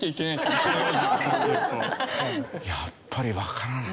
やっぱりわからない。